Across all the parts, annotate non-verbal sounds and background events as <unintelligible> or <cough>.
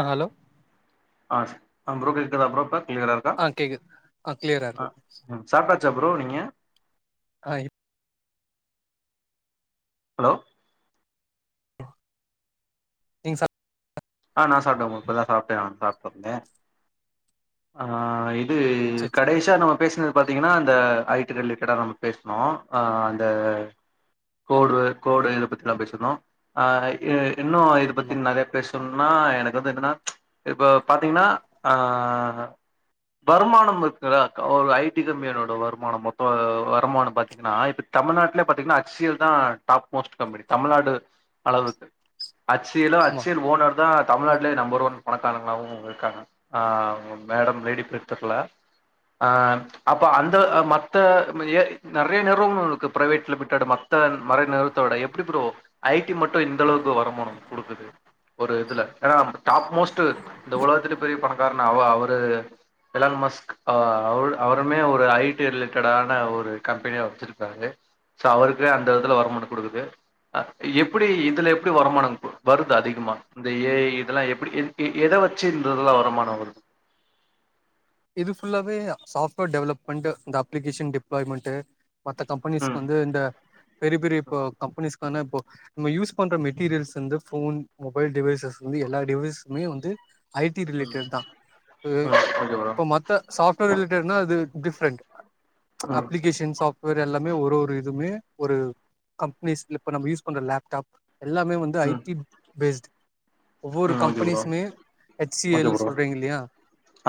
ஆ hello ஆ அ bro கேக்குதா ப்ரோ இப்ப கிளியரா இருக் ஆ கேக்குது ஆ கிளியரா <unintelligible> ம் சாப்டாச்சா ப்ரோ நீங்க ஆ இப் ஹலோ நீங்க சாப் ஆ நா சாப்ட்டேம்மு இப்பதா சாப்ட்டே நா சாப்ட்டு வந்தே ஆ இ இது சரி சரி கடைசியா நம்ம பேஸ்னது பாத்தீங்கனா இந்த ஐடிரிலேட்டடா நம்ம பேஸ்னோ அ அந்த ஆமா கோட் வேர்ட் கோடு இத பத்தில்லா பேசிந்தோ ஆ இ இன்னு இத ஆமா பத்தி நெறைய சொன்னா எனக்கு வந்து என்னனா இப்ப பாத்தீங்னா ஆ வருமானம் இருக்குல ஒரு ஐடி கம்பெனியோட வருமானம் மொத்த வருமானம் பாத்தீங்கனா இப் தமிழ்நாட்ல்ல பாத்தீங்கனா அச் சி எல் தா டாப் மோஸ்ட் கம்பெனி தமிழ்நாடு அளவுக்கு அச் சி எலு அச் ஆமா சி எல் ஓனர் தா தமிழ்நாட்லே யே நம்பர் ஒன் பணக்காரங்களாவு இருக்காங்க ஆ மேடம் ரெடி <unintelligible> ஆ அப்ப அந்த மத்த ஏ நெறைய நேரோம்னு பிரைவேட் லிமிட்டாட் மா மத்த மறை நேறத்தோட எப்டி ப்ரோ ஐ டி மட்டு இந்த அளவுக்கு வருமானம் குடுக்குது ஒரு இதுல ஏனா டாப் மோஸ்ட்டு இந்த உலகத்திலே பெரிய பணக்காரனா அவ அவரு எல்லாருமஸ்க் அவு அவருமே ஒரு ஐ டி ரிலேட்டடான ஒரு கம்பெனிய வச்சிருக்காரு சோ அவருக்கு அந்த இதுல வருமானம் குடுக்குது அ எப்டி இதுல எப்டி வருமான கு வருதா அதி கமா இந்த ஏ ஐ இதலா எப்டி எந் எ எத வெச்சு இந்த இதலா வருமானம் வருது இது ஃபுல்லாவே சாஃப்ட்வேர் டெவலப்மெண்ட்டு இந்த அப்ளிகேஷன் டிப்ளாய்மெண்ட்டு மத்த ம் கம்பெனிஸ்க்கு வந்து இந்த பெரிய பெரிய இப்போ கம்பெனிஸ்க்கான இப்போ நம்ம யூஸ் பண்ற மெட்டீரியல்ஸ் வந்து ஃபோன் மொபைல் டிவைசஸஸ் வந்து எல்லா டிவைஸ்மே வந்து ஐ டி ம் ரிலேட்டட் தா ம் ஓகே ப்ரோ இப்ப மத்த சாப்ட்வேர் ரிலேட்டட்னா அது டிஃப்ரெண்ட் ம் அப்ளிகேஷன் சாஃப் இவரு எல்லாமே ஒரு ஒரு இதுவுமே ஒரு கம்ப்னிஸ் இப்ப நம்ம யூஸ் பண்ற லேப்டாப் எல்லாமே வந் ஐ ம் டி பேஸ்ட் ஒவ்வொரு ம் ஓகே ப்ரோ கம்பெனிஸ்மே H C okay L bro சொல்றீங்கில்லையா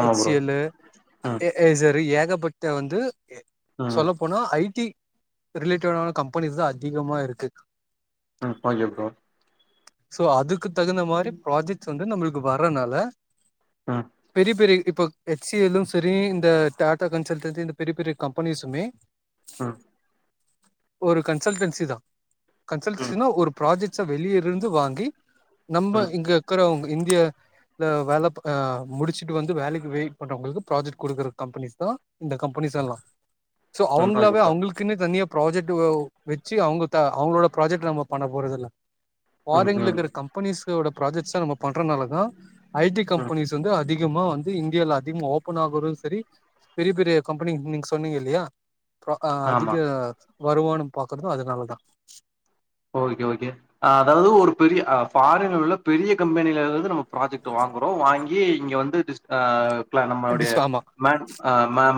ஆமா ஹச் சி ப்ரோ எல்லு ம் ஏ ஏக்ஸ்சரு ஏகபட்ட வந்து ம் சொல்ல போனா ஐ டி ரிலேட்டடான கம்பெனிஸ் தா அதிகமா இருக்கு ஆ ஓகே ஃப்ரோ சோ அதுக்கு தகுந்த மாரி ப்ராஜெக்ட்ஸ் வந்து நம்மளுக்கு வர்றனால ம் பெரிய பெரிய இப்ப ஹச் சி எல்லு சரி இந்த டாடா கன்சல்ட்ல இந்த பெரிய பெரிய கம்பெனிஸுமே அ ஒரு கன்சல்டன்சி தா ம் கன்சல்சினா ஒரு ப்ராஜெக்ட் வெளியிற்ற ந்து வாங்கி நம்ம ம் இங்க இருக்குறவங்க இந்திய இந்த வேல முடிச்சுட்டு வந்து வேலைக்கு வெயிட் பண்றவங்களுக்கு ப்ராஜெக்ட் குடுக்குற கம்பெனிஸ் தா இந்த கம்பெனிஸ் எல்லா சோ ம் ஓகே அவுங்களாவே ப்ரோ அவங்களுக் க்குனு தனியா ப்ராஜெக்ட் வச்சீ அவுங்க அவுங்களோட ப்ராஜெக்ட் நம்ம பண்ண போறதில்ல ம் ஃபாரின்ல ம் இருக்கிற கம்பெனிஸோட ப்ராஜெக்ட்ஸ் அ நம்ம பண்றனால தா ஐ டி ம் கம்பெனிஸ் வந்து அதி அதிகமா வந்து இந்தியால அதிகமா ஓபன் ஆகுறது சரி பெரிய பெரிய கம்பெனி நீங்க சொன்னீங்கல்லியா இல்லியா இப்ப அ ஆமா அதிக வருவானு பாக்குறது அதுனாலதா ஓகே ஓகே அதாவுது ஒரு பெரிய ஃபாரின்ல உள்ள பெரிய கம்பெனில இருந்து நம்ம ப்ராஜெக்ட் வாங்குறோ வாங்கி இங்க வந்து ஆ பிளான் நம்முடைய டிஸ் ஆமா மேன்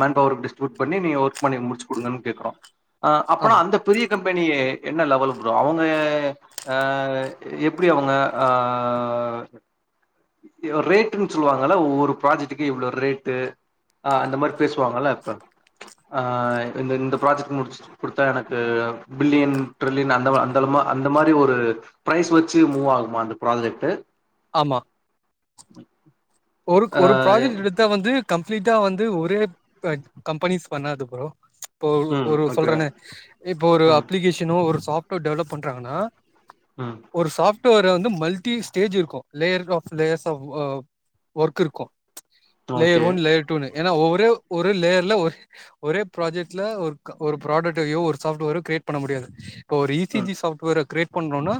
மேன் பவரு டிஸ்ட்ரிபுயூட் பண்ணி நீங்க ஒர்க் பண்ணி முடிச்சு குடுங்கனு கேக்குறோ அப்ப ஆமா அந்த பெரிய கம்பெனி என்ன லெவலு அவுங்க ஏ அ எப்டி அவுங்க அ ரேட்டுன்னு சொல்வாங்கல்ல ஒவ்வொரு ப்ராஜெக்டுக்கு இவ்ளோ ரேட்டு ஆ அந்த மாரி பேசுவாங்கல்ல இப்ப ஆ இந்த இந்த ப்ராஜெக்ட் முடிச்சு குடுத்தா எனக்கு பில்லியன் ட்ரில்லியன் அந் அந்த அந்தலுமா அந்த மாரி ஒரு பிரைஸ் வச்சு மூவ் ஆகுமா அந்த ப்ராஜெக்ட் ஆமா ஒருக் ஆ கொரு ப்ராஜெக்ட் எடுத்து த்தா வந்து கம்ப்ளீட்டா வந்து ஒரே கம்பெனிஸ் பண்ணாது ஃப்ரோ இப்போ ம் ஒரு ஓகே சொல்றனே இப்போ ஒரு ம் அப்ளிகேஷனோ ஒரு சாஃப்ட்வேர் டெவலப் பண்றாங்கன்னா ம் ஒரு சாஃப்ட்வேர் வந்து மல்டி ஸ்டேஜ் இருக்கு layer of layers of work இருக்கு லேயர் ஓகே ஒன் லேயர் டூன்னு ஏனா ஒரே ஒரு லேயர்ல ஒரு ஒரே ப்ராஜெக்ட்ல ஒரு ப்ராடட்டரியோ ஒரு சாஃப்ட்வேரோ கிரியேட் பண்ண முடியாது இப்ப ஒரு இ சி ம் ஜி சாஃப்ட்வேர கிரியேட் பண்றோன்னா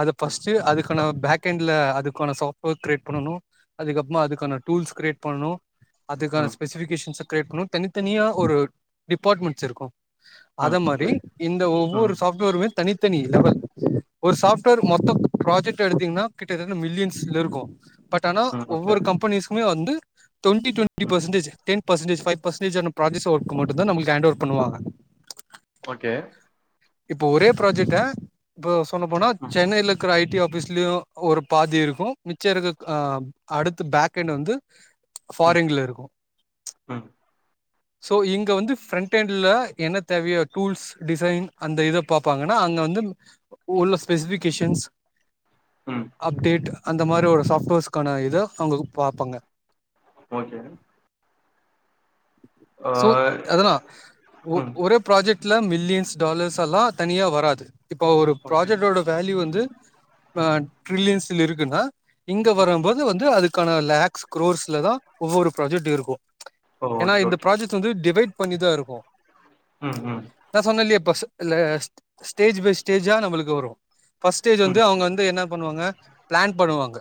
அத ம் ஃபர்ஸ்ட்டு அது இப்ப நம்ம பேக்கெண்ட்ல அதுக்கான சாஃப்வேர் கிரியேட் பண்ணனு அதுக்கப்றோமா அதுக்கான டூல்ஸ் கிரியேட் பண்ணனு அதுக்கான ம் ஸ்பெசிபிகேஷன்ஸ கிரியேட் பண்ணணு தனித்தனியா ஒரு டிப்பார்ட்மெண்ட்ஸ் இருக்கு ம் அத ஓகே மாரி இந்த ஒவ்வொரு ம் சாஃப்ட்வேருமே தனித்தனி லெவல் ஒரு சாஃப்ட்வேர் மொத்த ப்ராஜெட் எடுத்திங்கனா கிட்டத்த மில்லியன்ஸ் இருக்கோ பட் ஆனா ம் ஓகே ஒவ்வொரு கம்பெனிஸ்மே வந்து டுவெண்ட்டி டுவெண்ட்டி ம் percentage ten percentage five percentage ஆன ப்ராஜெக்ட்ஸ் ஒர்க்கு மட்டு தா நமக்கு ஹேன் ஓவர் பண்ணுவாங்க ஓகே இப்ப ஒரே ப்ராஜெக்ட்ட இப்ப சொல்ல போனா ம் சென்னையில இருக்குற ஐ டி ஆஃபிஸ்லியு ஒரு பாதி இருக்கு மிச்ச இருக்க ஆ அடுத்து பேக்கெண்ட் வந்து ம் ஃபாரின்ல இருக்கு ம் சோ இங்க வந்து ஃபிரண்டெண்ல என்ன தேவையோ டூல்ஸ் டிசைன் அந்த இத பாப்பாங்கன்னா அங்க வந்து உள்ள ஸ்பெசிபிகேஷன்ஸ் ம் அப்டேட் அந்த மாரி ஒரு சாப்ட்வேர்ஸ்க்கான இத அவங்க பாப்பாங்க ஓகே ஆ சோ அததா ஒ ம் ஒரே ப்ராஜெக்ட்ல மில்லியன்ஸ் டாலர்ஸ் எல்லா தனியா வராது இப்ப ஒரு ஓகே ப்ராஜெக்டோட வேல்யூ வந்து ஆ ம் ட்ரில்லியன்ஸ்ல இருக்குன்னா இங்க வரம்போ ல்ல வந்து அதுக்கான லேக்ஸ் குரோர்ஸ்லதா ஒவ்வொரு ப்ராஜக்ட் இருக்கு எனா ஓகே இந்த ஓகே ப்ராஜக்ட் வந்து டிவைட் பண்ணிதா இருக்கு ம் ம் நா சொன்னேல்லையே இப்ப ஸ் ல்ல ஸ்டேஜ் பை ஸ்டேஜா நம்மளுக்கு வரு ஃபஸ்ட் ஸ்டேஜ் ம் வந்து ம் அவ்ங்க வந்து என்னா பண்ணுவாங்க ப்ளான் பண்ணுவாங்க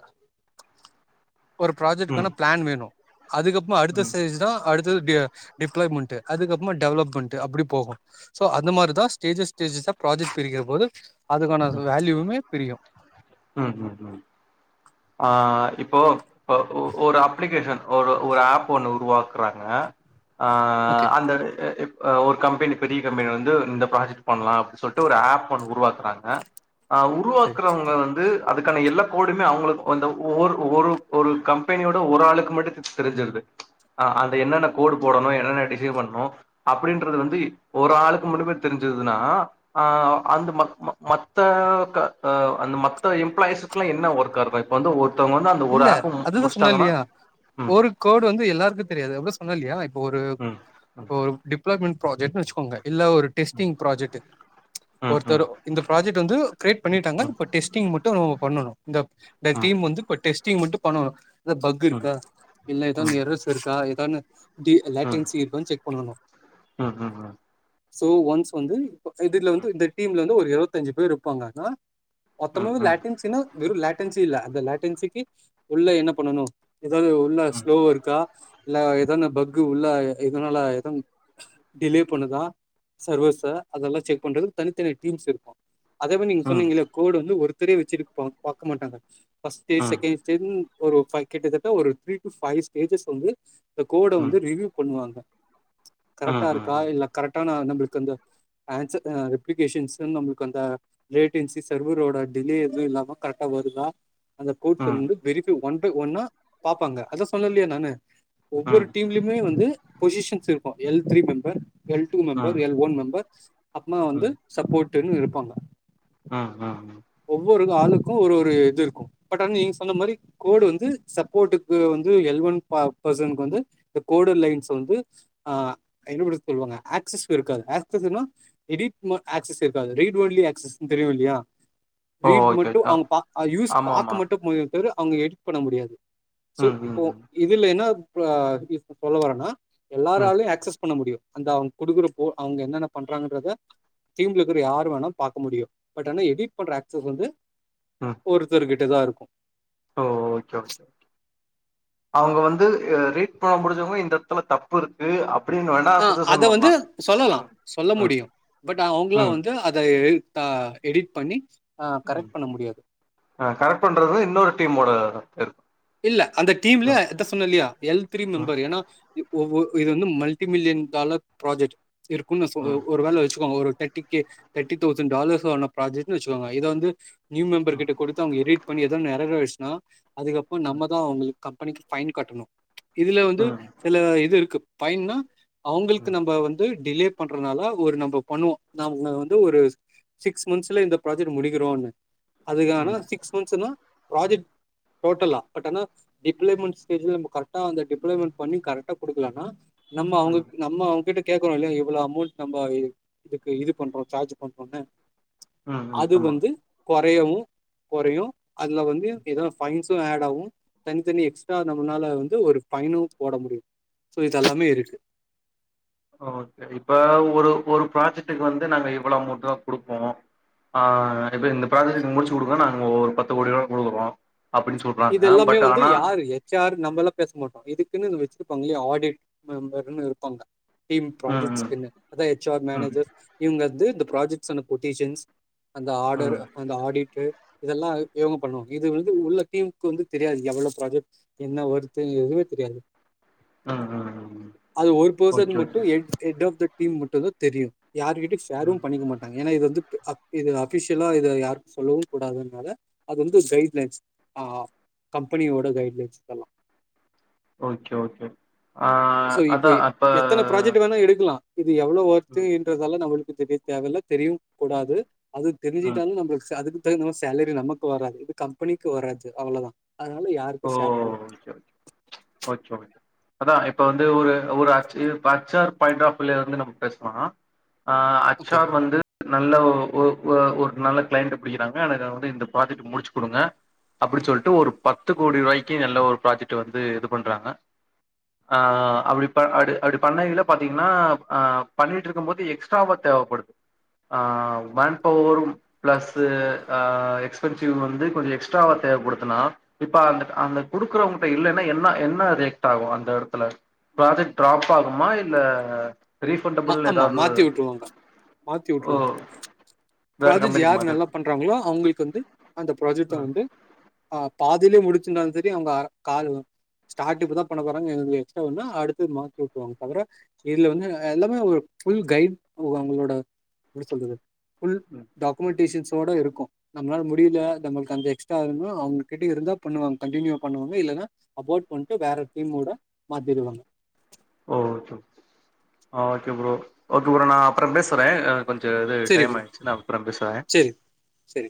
ஒரு ம் ப்ராஜக்ட்க்கான ப்ளான் வேணு அதுக்கப்பம் அடுத்த ம் ஸ்டேஜ்தா அடு து பி டிப்ளாய்மெண்ட்டு அதுக்கப்பமா டெவலப்மெண்ட்டு அப்டி போகு ஸோ அந்தமாரி தா ஸ்டேஜஸ் ஸ்டேஜ்ஸா ப்ராஜக்ட் பிரிக்கிற போது அதுக்கான வேல்யுவுமே பிரியு ம் ம் ம் ஆ இப்போ ஒ ஒ ஒரு அப்ளிகேஷன் ஒரு ஒரு ஆப் ஒண்ணு உருவாக்குறாங்க அ ஓகே அந்த எ எப் அ ஒரு கம்பெனி பெரிய கம்பெனி வந்து இந்த ப்ராஜெக்ட் பண்லா அப்டினு சொல்லிட்டு ஒரு ஆப் ஒன்னு உருவாக்குறாங்க அ சரி உருவாக்குறவங்க வந்து அதுக்கான எல்லா கோடுமே அவ்ங்களுக்கு அந்தொ ஒரு ஒரு ஒரு கம்பெனியோட ஒரு ஆளுக்கு மட்டு தெரிஞ்சிருது ஆ அதுல என்னென்ன கோடு போடணு என்னென்ன டிசைன் பண்ணனு அப்டின்றது வந்து ஒரு ஆளுக்கு மட்டுமே தெரிஞ்சதுன்னா ஆ அந்த மக் ம மத்த க அ அந்த மத்த எம்ப்ளாய்ஸ்க்லா என்ன ஒர்க்காருக்கு இப்ப வந்து ஒருத்தவுங்க வந்து அந் இல்ல அதுதா சொன்ன இல்லியா ம் ஒரு கோடு வந்து எல்லாருக்கு தெரியாது அப்டிதான் சொன்னல்லியா இப்ப ஒரு ம் ம் ஒரு டிப்ளமென் ப்ராஜெக்ட்னு வச்சுக்கோங்க இல்ல ஒரு டெஸ்டிங் பிராஜெக்ட்டு ம் ஒருத்தர் ம் இந்த ப்ராஜெக்ட் வந்து கிரியேட் பண்ணிட்டாங்க ம் இப்ப டெஸ்டிங் மட்டு <unintelligible> பண்ணணு இந்த இந்த டீம் வந்து இப்ப டெஸிட்டிங் மட்டும் பண்ணணு எதா பக்கு ம் ம் இருக்கா இல்ல எதான் ம் எரர்ஸ் இருக்கா எதானு டி லேட்டன்சி இருக்கான் செக் பண்ணணு ம் ம் ம் சோ ஒன்ஸ் வந்து இப்ப இதுல வந்து இந்த டீம்ல வந்து ஒரு இருவத்தஞ்சு பேர் இருப்பாங்க ஆ ம் ம் ம் ம் ம் ம் ம் ம் ம் ம் ம் ம் ம் ம் மொத்தமாவ லாட்டென்சின்னா வெறு லேட்டன்சி இல்ல அந்த லேட்டின்சிக்கு உள்ள என்ன பண்ணணு ஏதாது உள்ள ஸ்லோ ஒர்க்கா இல்ல ஏதானு பக்கு உள்ள எதுனால எதும் டிலே பண்ணுதா சர்வஸ்சு அதெல்லா செக் பண்றது தனித்தனி டீம்ஸ் இருக்கு அதே மாரி நீங்க சொன்னிங்களே கோடு வந்து ஒருத்தரே வச்சிருப்பாங் பாக்க மாட்டாங்க ஃபஸ்ட்டு செ ம் ஒரு ஃபை கிட்டத்தட்ட ஒரு த்ரீ டு ஃபைவ் ஸ்டேஜஸ் வந்து இந்த கோட வந்து ரிவ்யூ பண்ணுவாங்க கரெக்ட்டா இருக்கா இல்ல கரெக்ட்டான நம்மளுக்கு அந்த ஆன்சர் அ ரெப்ளிக்கேஷன்ஸ் நம்மளுக்கு அந்த ரேடிங்சு சர்வரோடா டிலே எது இல்லாம கரெக்ட்டா வருதா <unintelligible> வந்து வெரிஃபை ஒன் பை ஒன்னா பாப்பாங்க அத சொன்ன இல்லையா நானு ஒவ்வொரு டீம்லைமே வந்து பொசிஷன்ஸ் இருக்கு L three member L two member L one member அப்றோமா வந்து ம் சப்போர்ட்ன்னு இருப்பாங்க ம் ம் ம் ஒவ்வொரு ஆளுக்கு ஒரு ஒரு இது இருக்கு பட் ஆனா நீங்க சொன்ன மாரி கோடு வந்து சப்போர்ட்டுக்கு வந்து எல் ஒன் ப பர்சனுக்கு வந்து இந்த கோடர் லைன்ஸ் வந்து ஆ என்ன <unintelligible> சொல்வாங்க ஆக்சஸ் இருக்காது ஆக்சஸ்ன்னா எடிட் ம ஆக்சஸ் இருக்காது ரீட் ஒன்லி ஆக்சஸ் தெரியு இல்லையா ஓ ரீட் ஓகே மட்டு ஆ அவுங்க பாக் யூஸ் பாக்க ஆமாமா மட்டு முடியு தவிர அவுங்க எடிட் பண்ண முடியாது சோ ம் ம் இப்போ ம் இதுலென்ன ஆ இப்ப சொல்ல வரேன்னா ம் எல்லாராலையு ஆக்சஸ் பண்ண முடியு அந்த அவுங் குடுக்குறப்போ அவங்க என்னென்ன பண்றாங்கன்றத டீம்ல இருக்குற யாரு வேணா பாக்க முடியு பட் ஆனா எடிட் பண்ற அக்ஸஸ் வந்து ம் ஒருத்தர்கிட்டதா இருக்கு ஓ ஓகே ஓகே ஓகே அவங்க வந்து ரீட் பண்ண முடிஞ்சவங்க இந்த இடத்துல தப்பு இருக்கு அப்படின்னு வேணா அ அத சஜஷன் வந்து பண்ணலா சொல்லலா சொல்ல ம் முடியு பட் அவங்கள ம் வந்து அத அ எடிட் பண்ணி அ கரெக்ட் பண்ண முடியாது அ கரெக்ட் பண்றது இன்னொரு டீமோட இருக் இல்ல அந்த டீம்லியே எத சொன்ன இல்லையா எல் த்ரீ ம் மெம்பரு ஏன்னா ஒவ்வொ இது வந்து மல்டி மில்லியன் டாலர் ப்ராஜக்ட் இருக்கு நா சொ ஒ ம் ஒரு வேல வச்சுக்கோங்க ஒரு டெ ட்டிக்கே தேர்ட்டி தௌசண்ட் டாலர்ஸ் ஆன ப்ராஜெக்ட்னு வச்சுகோங்க இத வந்து நியூ மெம்பர் ம் கிட்ட கொடுத் து அவங்க எடிட் பண்ணி எதோன் எற்றேர் ஆய்ட்ச்சுன்னா அதுக்கப்ப நம்ம தா அவங்களுக் கம்பெனிக் ஃபைன் கட்டணு இதுல வந்து ம் ம் சில இது இருக்கு ஃபைன்னா அவங்களுக்கு நம்ப வந்து டிலே பண்றனால ஒரு நம்ப பண்ணுவோ நம வந்து ஒரு சிக்ஸ் மன்ஸ்ல இந்த ப்ராஜெக்ட் முடிக்கிறோன்னு ம் அதுக்கான ம் சிக்ஸ் மன்ஸ்ன்னா ப்ராஜெக்ட் போட்டலா பட் ஆனா டிப்ளமெண்ட்ஸ் ஸ்டேஜ்ல நம கரெக்டா அந்த டிப்ளமெண்ட் பண்ணி கரெக்டா குடுக்கலனா நம்ம அவங்க நம்ம அவங்கிட்ட கேக்குறோ இல்லையா இவ்வளோ அமௌண்ட் நம்ப இதுக் இதுக்கு இது பண்றோ சார்ஜ் பண்றோன்னு ம் ம் அது ஆமா வந்து கொறையவு கொறையு அதுல வந்து இதா ஃபைன்ஸ் கு ஆட் ஆவு தனித்தனி எக்ஸ்ட்ரா நம்மளால வந்து ஒரு பைனு போட முடியு சோ இதெல்லாமே இருக்கு ஓகே இப்ப ஒரு ஒரு ப்ராஜெக்டுக்கு வந்து நாங்க இவ்ளோ அமௌண்ட் தா குடுப்போ ஆ இப்ப இந்த ப்ராஜெக்ட் முடிச்சு குடுங்க நாங்க ஒரு பத்து கோடி ரூபா குடுக்குறோ அப்படின் சொல்றாங்க பட் ஆனா சார் நம்பல்லா பேச மாட்டோ இதுக்குன்னு வச்சுருப்பாங்க இல்லையா ஆடிட் மெம்பர்னு இருப்பாங்க டீம் ம் ப்ராஜெக்ட்ஸ்குன்னு அதா எச் ஆர் ம் மேனேஜர் இவங்க வந்து இந்த ப்ராஜக்ட்ஸ்ன கொட்டேஷன்ஸ் அந்த ஆர்டரு ம் அந்த ஆடிட்ரு இதெல்லா இவங்க பண்ணுவாங்க இது வந்து உள்ள டீம்கு வந்து தெரியாது இது எவ்வளோ ப்ராஜெக்ட் என்ன வருது எதுவுமே தெரியாது ம் ம் ம் அது ஒரு பெர்சன் ஓகே மட்டு okay Ed head of the team மட்டு தா தெரியு யாருகிட்ட ம் ஷேரும் பண்ணிக்க மாட்டாங்க ஏன்னா இது வந்து இது அபி இது அபிஷியலா இத யார்க்கு சொல்லவு கூடாதுனால அது வந்து கைட் லைன்ஸ் ஆ கம்பெனியோட கைட்லைன்ஸ் இதல்லா ஓகே ஓகே ஆ சோ இப்பய் அதான் அப்ப எத்தன ப்ராஜெக்ட் வேனா எடுக்கலா இது எவ்ளோ ஒர்த்து ம், இன்றதால நம்மளுக்கு தெரிய தேவ தெரியு கூடாது அது ம். தெரிஞ்சிகிட்டாலு நம்பளுக் சே அதுக்கு தகுந்த மார் சேலரி நமக்கு வராது இது கம்பெனிக்கு வராது அவ்வளதா அதனால ஓ! யாருக்கு ஷேர் பண்ண ஓகே ஓகே <unintelligible> அதா இப்ப வந்து ஒரு ஒரு அச்சு இப்ப அச் ஆர் பாயிண்ட் ஆஃப்ல இருந்து நம்ம பேசலா ஆ ஹச் ஓகே. ஆர் வந்து நல்ல ஒ ஒ ஓ ஒர் நல்ல கிளைண்ட புடிக்குறாங்க ஆனா இத வந்து இந்த ப்ராஜெக்ட் முடிச்சு குடுங்க அப்டி சொல்ட்டு ஒரு பத்து கோடி ரூபாய்க்கு நல்ல ஒரு ப்ராஜெக்ட் வந்து இது பண்றாங்க ஆ அப்டி அது அப்டி பண்ணையில பாத்தீங்கன்னா ஆ பண்ணிட்டு இருக்கும் போது எக்ஸ் ட்ராவா தேவப்படுது ஆ மேன் பவரும் பிளஸ்ஸு ஆ எக்ஸ்பென்சிவ் வந்து கொஞ்சோ எக்ஸ்ட்ராவா தேவப்படுத்துனா இப்ப அந்த அந்த குடுக்குறவங்க்ட இல்லன்னா என்ன என்ன ரியக்ட் ஆகு அந்த இடத்துல ப்ராஜெக்ட் ட்ராப் ஆகுமா இல்ல மா ரீஃபண்டபிள் ஆமா ஏதாவது மாத்தி உட்டுருவாங்க மாத்தி ஓ உட்டுருவாங் வேற ப்ராஜெக்ட் கம்பெனிக்கு யார் நல்லா மாத்திட்டு பண்றாங்களோ அவுங்ளுக்கு வந்து அந்த ப்ராஜெக்ட்ட ம் வந்து ஆ பாதிலே முடிச்சிருந்தாலு செரி அவங்க அர கால் ஸ்டார்ட் இப்பதா பண்ண போறாங்க எங்களு எக்ஸ்ட்ரா வேணுனா அடுத்து மாத்தி விட்ருவாங்க தவிர இதுல வந்து எல்லாமே ஒரு ஃபுல் கைட் அவங்களோட எப்டி சொல்றது ஃபுல் ம் டாக் கோ டிஷின்ஸோட இருக்கு நம்மளால முடில நம்மளுக்கு அந்த எக்ஸ்ட்ரா <unintelligible> அவங்க கிட்ட இருந்தா பண்ணுவாங்க கண்டினியூ பண்ணுவாங்க இல்லன்னா அபோட் பண்ட்டு வேற டீம் கூட மாத்திருவாங்க ஓ ஓகே ஆ ஓகே ஃப்ரோ ஓகே ஃப்ரோ நா அப்புறம் பேசறே கொஞ்சோ இது சரி டைம் ப்ரோ ஆயிடுச்சி நா அப்பறம் பேசுற சரி சரி